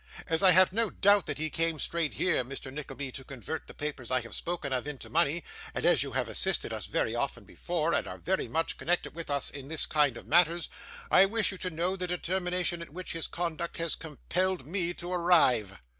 As I have no doubt that he came straight here, Mr Nickleby, to convert the papers I have spoken of, into money, and as you have assisted us very often before, and are very much connected with us in this kind of matters, I wish you to know the determination at which his conduct has compelled me to arrive.